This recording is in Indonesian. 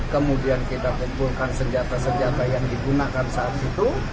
kemudian kita kumpulkan senjata senjata yang digunakan saat itu